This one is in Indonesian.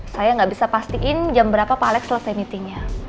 saya nggak bisa pastiin jam berapa pak alex selesai meetingnya